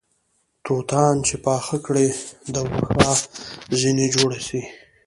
توتان چې پاخه کړې دوښا ځنې جوړه سې